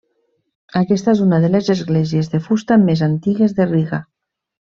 Aquesta és una de les esglésies de fusta més antigues de Riga.